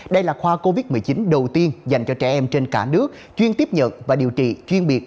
đây là khoa covid một mươi chín đầu tiên dành cho trẻ em trên cả nước chuyên tiếp nhận và điều trị chuyên biệt